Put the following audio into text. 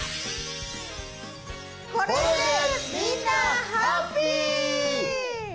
これでみんなハッピー。